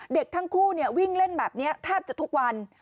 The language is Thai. เด็กทั้งคู่วิ่งเล่นแบบนี้แทบจะทุกวัน